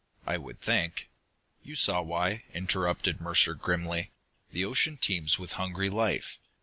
"I would think " "You saw why," interrupted Mercer grimly. "The ocean teems with hungry life.